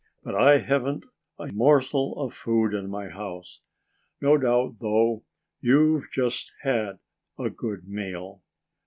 But I haven't a morsel of food in my house. No doubt, though, you've just had a good meal.